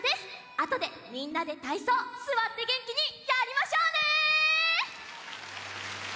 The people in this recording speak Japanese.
あとでみんなでたいそうすわってげんきにやりましょうね！